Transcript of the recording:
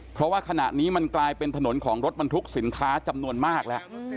เพราะว่าขณะนี้มันกลายเป็นถนนของรถบรรทุกสินค้าจำนวนมากแล้ว